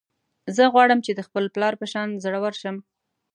زه غواړم چې د خپل پلار په شان زړور شم